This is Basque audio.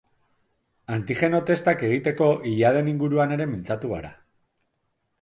Antigeno testak egiteko iladen inguruan ere mintzatuko gara.